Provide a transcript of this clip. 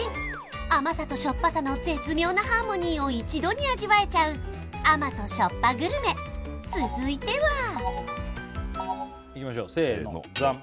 甘さと塩っぱさの絶妙なハーモニーを一度に味わえちゃう甘＆塩っぱグルメ続いてはいきましょうせのざん！